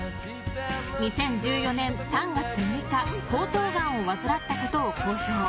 ２０１４年３月６日喉頭がんを患ったことを公表。